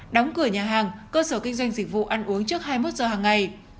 đóng cửa nhà hàng cơ sở kinh doanh dịch vụ ăn uống trước hai mươi một giờ hàng ngày